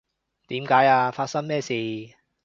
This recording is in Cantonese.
點解呀？發生咩事？